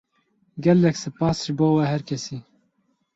Gelek spas ji bo we her kesî.